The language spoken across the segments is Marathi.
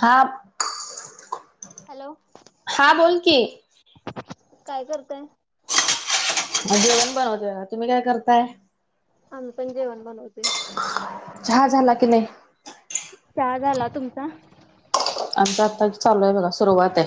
हा. हॅलो, हा बोल की काय करतय? जेवण बनवतो. तुम्ही काय करताय. आम्ही पण जेवण बनवतोय. हा झाला की नाही. त्या झाला तुमचा? आमच आत्ता चालू आहे बघा सुरुवात आहे.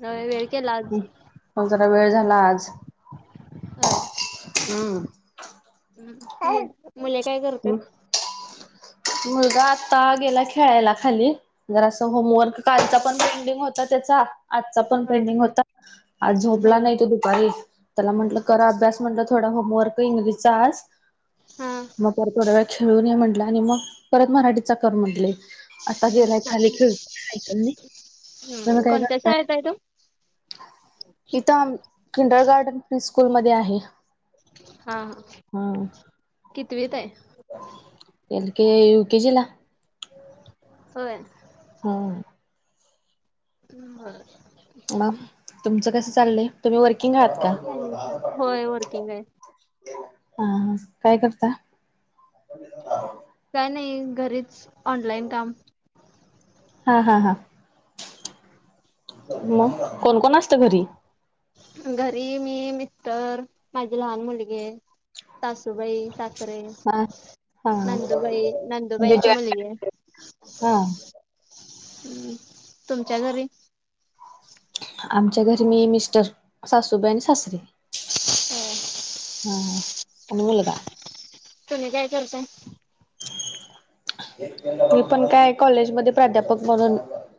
न वेळकला आज मग जरा वेळ झाला आज हो. हम्म. ् मुले काय करते. मुलगा आता गेला खेळायला खाली जर असं होमवर्क कालचा पण बेंडिंग होता त्याचा आजचा पण होय पेंडिंग होता आज झोपला होय. नाही तो दुपारी त्याला म्हटलं करां अभ्यास म्हटलं थोडा होमवर्क इंगलिजचा आस हा. मग परत थोड्या वेळ खेळू नये म्हटलं आणि मग परत मराठीचा कर म्हटले. आता गेलाय खाली हा. खेळ सायकल तर हम्म मग काय कोणत्या करताय? शाळेत आहे तो? इथं किंडर गार्डन प्री स्कूल मध्ये आहे. हा हा. कितवीेत आहे. एल् के यु केे जिला हो. हा. ह ह. म तुमचं कस चाललंय तुम्ही वर् किंगात का काय नाही होय वर्किंग आहे. हा काय करता काय नाही घरीच ऑनलाईन काम हा हा हा मग कोण कोण असत घरी घरी मी मिस्टर माझे लहान मुलगे सासूबाई सास े हा हा नंदुबाई म्हणजे नंदुबाईंची जॉईंट मुली फॅमिली. आहे. हम् तुमच्या घरी आमच्या घरी मी मिस्टर सासूबाई आणि सासरीे ह. हां अनभल का? तुम्ही काय करताय [inaudible] मी पण काय आहे कॉलेज मध्ये प्राध्यापक म्हणून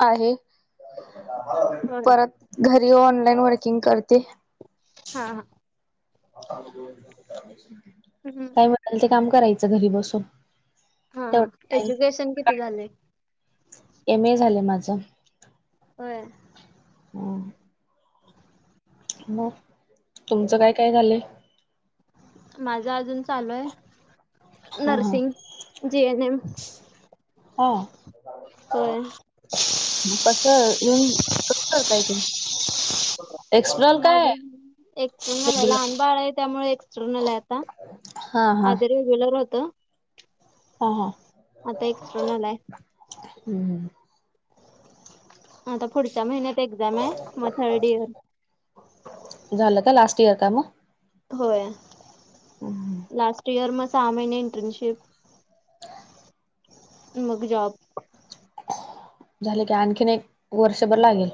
आहे होय परत घरी ऑनलाईन वर्किंग करते हा हा [inaudible] हम्म काय ते काम करायचं घरी बसून हा तेवढ हा टाईम एज्युकेशन किती झाले एम ए झालं माझं हो हम मग तुमचं काय काय झालंय माझा अजून चालू आहे हा हा नर्सिंग जीएनएम हा होय कसून कस करतायक माझं एक्सट्रून झालं रेग्युलर लहान बाळ आहे त्यामुळे एक्स्रून आला आता हा हा अ रे बलर होहत हा हा एक्सटर्नल आहे हम् ह आता पुढच्या महिन्यात एक्झाम आहे मग थर्ड इयर झाल का लास्ट इयर का म होय हम्म लास्ट इयर मग सहा महिने इंटर्नशिप ह मगजाब झाले की आणखीन एक वर्षभर लागेल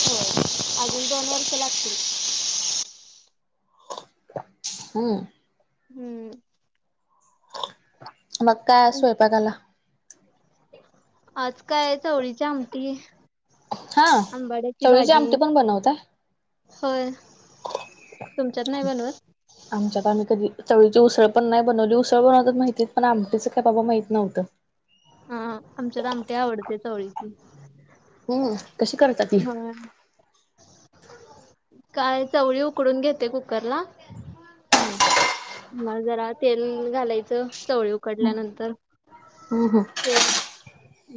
हो अजून दोन वर्ष लागतील हम्म हम्म मग काय स्वयपाकाला आज काय चवळीच्या आमटी हा आंबाड्याची चवळीची भाजी आमटी पण बनवताय होय तुमच्यात नाही बनवत आमच्यात आम्ही कधी चवळीची उसळ पण नाही बनवली उसळ बनवतात माहितीत पण आमटीचं काय बाबा माहित नव्हतं हा आमच्यात आमठ्या आवडते चवळीची हो कशी कराय हा काय चवळी उकडून घेते कुकर ला मग जरा तेल घालायचं चवळी उकडल्यानंतर हम् हम ते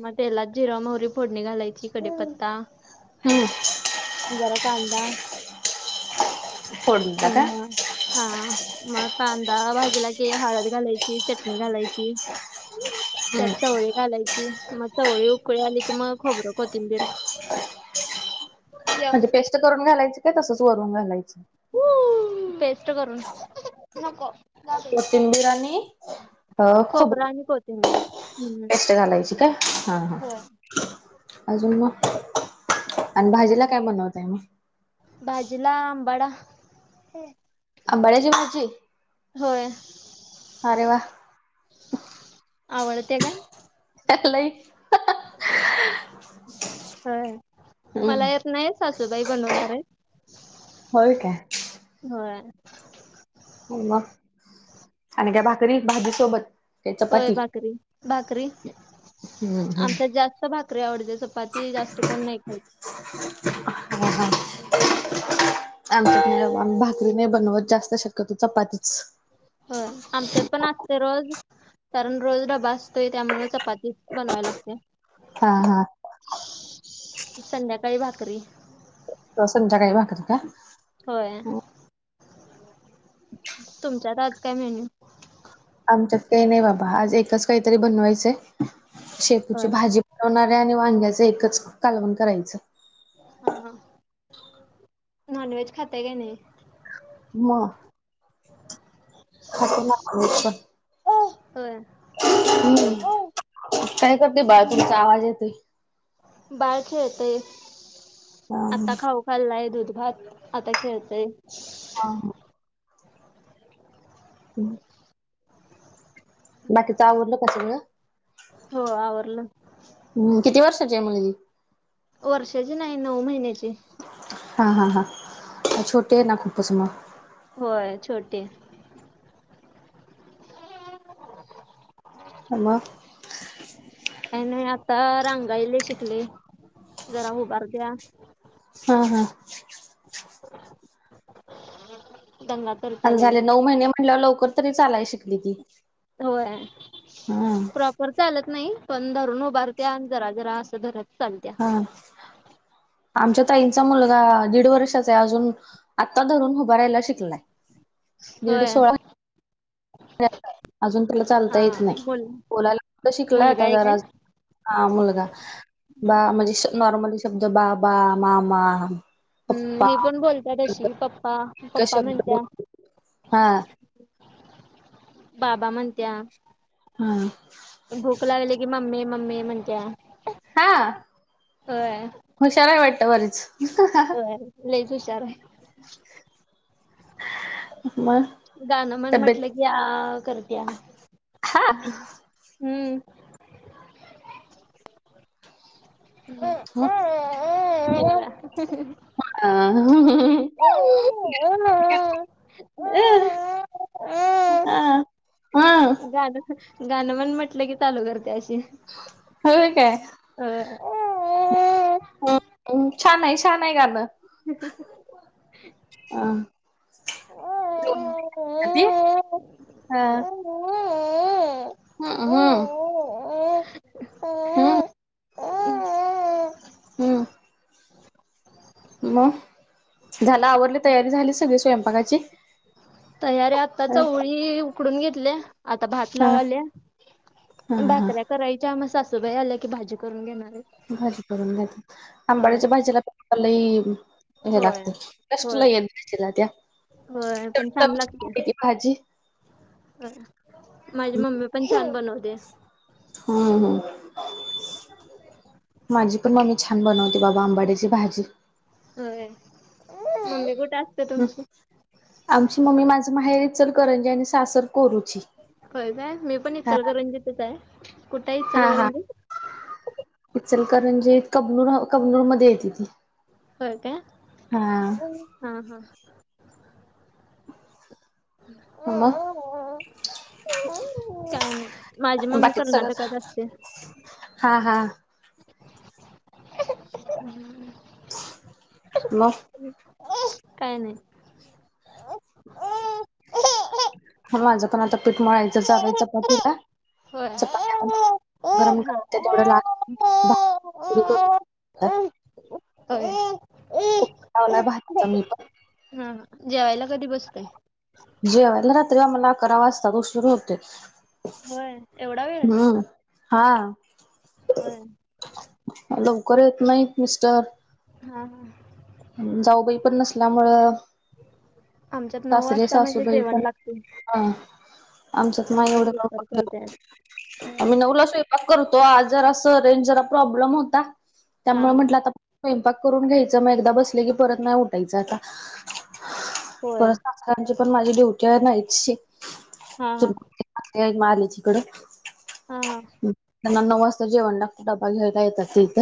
मग तेलात जिरा मोहरी फोडणी घालायची कडीीपत्ता हम्म जरा काांदा फोडणीला ह का? ह हा मग कांदा भाजला ग हळद घालायची चटणी घालायची हम्म त्यातचा होळी घालायची मग चवळी उकळी आली की मग खोबरं खतींबर म्हणजे पेस्ट करून घालायची काय तसंच वरून घालायच खू बेस्ट करून नको कोथिम बिरणी अ खूप खोबरं आणि कोथिंबीर हम्म टेस्ट घालायची का हा हा होय. अजून मग आणि भाजीला काय बनवताय मग? भाजीला आंबाडा अंबाड्याची भाजी होय अरे वा आवडते काय लय होय मला हम्म येत नाही सासूबाई बनवणार आहेत होय काय हो मग आणि काय भाकरी भाजी सोबत काय होय चपाती? भाकरी भाकरी हम्म आमचात हम्म जास्त भाकरी आवडते चपाती जास्त कोण नाही खाइत [inaudible] करीने बनवत जास्त शक्यतो चपातीच हो आमच्यात पण असते रोज कारण रोज डबा असतोय त्यामुळं चपातीचं बनवावी लागते हा हा संध्याकाळी भाकरी रोज संध्याकाळी भाकरी का होय तुमच्यात आज काय मेन्यू आमच्यात काही नाही बाबा आज एकच काहीतरी बनवायचय शेपूची होय. भाजी बनवणारे आणि वांग्याच एकच कालवण करायचं हा हा नॉनव्हेज खाताय काय नाही मग खातो नॉनव्हेज पण [inaudible] हम्म काय करते बाळ तुमचा आवाज येतोय. बाळ खेळतंय हा आता खाऊ खाल्लाय दूध घातलंय आता खेळतय. हा हा ह बाकीचं आवरलं कां सगळं हो आवरलं हम् किती वर्षाची आहे मुलगी वर्षाची नाही नऊ महिन्याची हा हा हा छोटी ना खूपच मग होय छोटी हाय मग त्या नाही आता रांगायला शिकले जरा उभारत्या हा हा दंगा ह करत्या लई झाले नऊ महिने म्हणल्यावर लवकर तरी चालाय शिकली की होय प्रॉपर चालत नाही पण धरून उभारत्या जरा जरा असं धरत चालत्या आमच्या ताईंचा मुलगा दीड वर्षाचा आहे अजून आता धरून उभा राहायला शिकलाय दीड होय सोळा अजून त्याला चालता हा येत नाही बोल बोलायला फक्त शिकलाय मुलगा आता एक आहे जरा काय? हा मुलगा बा म्हणजे नॉर्मली शब्द बाबा मामा हम्म पप्पा हि पण बोलत्या तशी पप्पा इतका पप्पा शब्द म्हणत्या बोल हा बाबा म्हणत्या. हा. भूक लागली की मम्मी मम्मी म्हणत्या होय. हुशाराय हाय वाटतं बरीच. होय लईच हुशार हाय. मग गाणं म्हण तब्येत म्हटलं की आ करत्या. हा अ हम्म [inaudible] अ हं [unintelligible] अ हा हा गाणं गाणं म्हण म्हटलं की चालू करत्या अशी होय होय काय अ [unintelligible] हं छान आय छान हाय गाणं. [unintelligible] ह [unintelligible] हा हम्म हम्म. हम्म. हम्म. मग झाला आवरली तयारी झाली सगळी स्वयंपाकाची? तयारी आत्ता ह चवळी उकडून घेतल्या. आता भात हा लावाल्या हा हा भाकऱ्या कराय च्या म सासूबाई आल्या की भाजी करून घेणार आहेत. भाजी करून घाटली. आंबाड्याच्या भाजीला लै हे होय लागतय कष्ट होय लई आहेत भाजीला त्या. होय पण चविष्ट छान लागत्या. लागते ती भाजी अ माझी मम्मी पण छान बनवते. हम्म हम्म, माझी पण मम्मी छा न बनवते बाबा आंबाड्याची भाजी. होय मंम्मी कुठ असत्या हम्म तुमची? आमची मम्मी माझं माहेरी इचलकरंजी आणि सासर कोरूची. हो काय मी पण हा इचलकरंजीतच आहे कुठे आहे इचलकरंजी? इचलकरंजीत कबनूर कबनूर मध्ये येती ती. होय काय, हा हा हा. अ मग अ काय नाय. माझी मम्मी बाकीच सगळं कर्नाटकात असत्या. हा हा. म काय नाय. [inaudible] ह माझं पण आता पीठ मळायचं चालू हाय चपातीला. होय. चपात्या गरम हा. करायच्या तेवढ लाल भाकरी करून घेतला. अय कुकर लावलाय भाताचा मी पण. हा जेवायला कधी बसताय? जेवला रात्री आम्हाला अकरा वाजतात उशिर होतोय. होय एवढा वेळ? हम्म हा. होय. लवकर येत नाहीत मिस्टर. हां हा. जाऊबाईपण नसल्यामुळं आमच्यात नऊ सासरे वाजता, म्हणजे सासूबाई जेवण पण लागतंय. हा आमचत माय लवकर एवढं, करते. होय. आम्ही नऊ ला स्वयंपाक करतो आज जरा स रेंज प्रॉब्लेम होता, हा त्यामुळे हा म्हंटलं आता. स्वयंपाक करून घ्यायचा, मग एकदा बसले की परत नाही उठायचं आता. हो, सकाळची पण माझी ड्युटी आहे हा हा [unintelligible] आलीच तिकड हा हा त्यांना नऊ वाजता जेवण लागतय डबा घ्यायला येतात ते इथं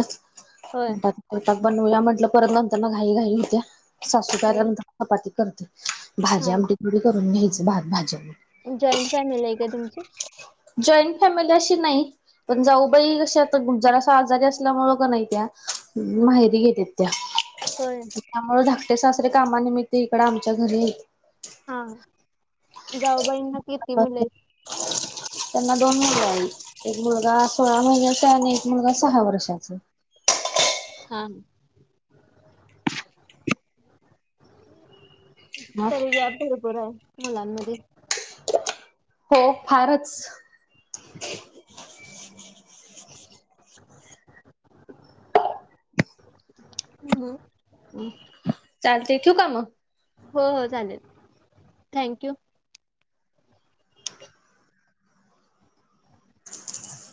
होय म्हणतानं. स्वतःच बनवूया म्हटलं परत नंतर न घाई घाई होत्या सासू आल्या होय नंतर चपाती करते. भाजी हा आमठी थोडी करून घ्यायचं भात भाज्या. जॉईंट फॅमिली आहे काय तुमची? जॉईंट फॅमिलीअशी, नाही, पण जाऊबाई कशा आता जरस आजारी असल्यामुळे का, नाही त्या हा माहेरी गेलात त्या, होय. त्यामुळे धाकटे सासरे कामानिमित्त, इकडं आमच्या घरी हा जावबाईंना किती मुलं आहे त? त्यांना दोन मुल हायत, एक मुलगा सोळा महिना चा, अन् एक मुलगा सहा वर्षाच. थांब, मग तरी गॅप भरपूर आहे, मुलांमध्यी. हो फारच, हम, चालतेय ठेवऊ, का म. हो हो चालेल, थँक यू! [unintelligible]